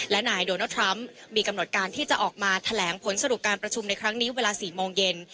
และนายโดนัลดทรัมป์มีกำหนดการที่จะออกมาแถลงผลสรุปการประชุมในครั้งนี้เวลา๔โมงเย็น